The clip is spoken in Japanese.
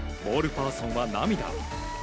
パーソンは涙。